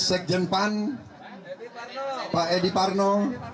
sekjen pan pak edi parno